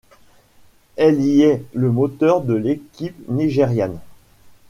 Elle y est le moteur de l’équipe nigériane.